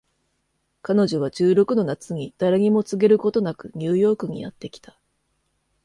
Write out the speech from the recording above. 彼女は十六の夏に誰にも告げることなくニューヨークにやって来た